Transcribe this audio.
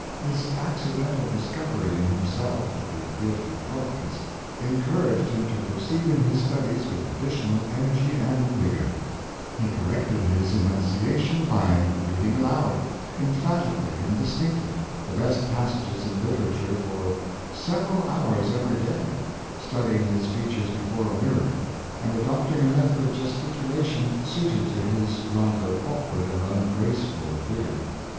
This accidental discovery in himself of the gift of eloquence encour aged him to proceed in his studies with renewed en 316 Cur ran. ergy. He corrected his enunciation by reading aloud, emphatically and distinctly, the best passages in litera ture for several hours every day, studying his features before a mirror, and adopting a method of gesticulation suited to his rather awkward and ungraceful figure.